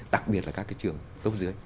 đặc biệt là các cái trường tốt dưới